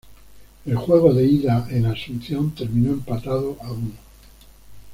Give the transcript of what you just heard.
El juego de ida en Asunción terminó empatado a uno.